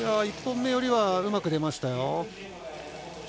１本目よりはうまく出ましたよ。